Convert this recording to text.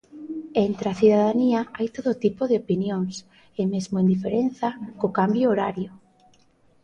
Entre a cidadanía hai todo tipo de opinións e mesmo indiferenza co cambio horario.